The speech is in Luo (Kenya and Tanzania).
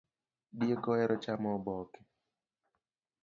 Diek ohero chamo oboke